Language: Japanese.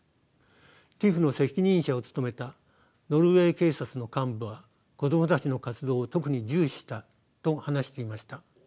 ＴＩＰＨの責任者を務めたノルウェー警察の幹部は子供たちの活動を特に重視したと話していました。